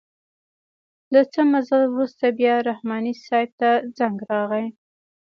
له څه مزل وروسته بیا رحماني صیب ته زنګ راغئ.